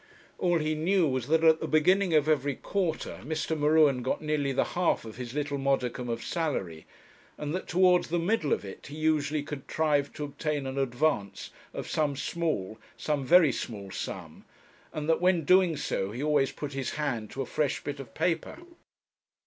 All he knew was that at the beginning of every quarter Mr. M'Ruen got nearly the half of his little modicum of salary, and that towards the middle of it he usually contrived to obtain an advance of some small, some very small sum, and that when doing so he always put his hand to a fresh bit of paper.